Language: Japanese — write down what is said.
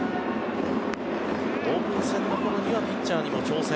オープン戦の頃にはピッチャーにも挑戦。